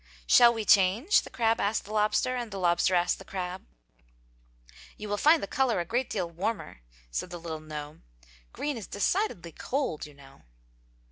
"Shall we change?" the crab asked the lobster and the lobster asked the crab. "You will find the color a great deal warmer," said the little gnome. "Green is decidedly cold, you know!"